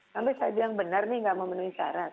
sampai saya bilang benar nih nggak memenuhi syarat